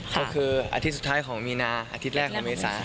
ก็คืออาทิตย์สุดท้ายของมีนาอาทิตย์แรกของเมษา